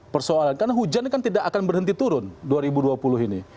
persoalan karena hujan kan tidak akan berhenti turun dua ribu dua puluh ini